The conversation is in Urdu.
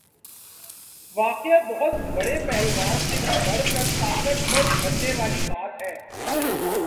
ہ واقعی بہت بڑے پہلوان سے بھی بڑھ کر طاقت ور بننے والی بات ہے۔